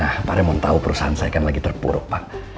karena pak remon tau perusahaan saya kan lagi terpuruk pak